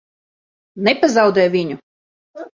Nepazaudē viņu!